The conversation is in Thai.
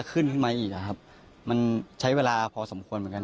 ขึ้นมาอีกอ่ะครับมันใช้เวลาพอสมควรเหมือนกัน